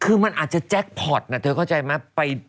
คือมันอาจจะแจ็คพอร์ตนะเธอเข้าใจไหม